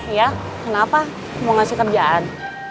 ya kenapa mau ngasih kerjaan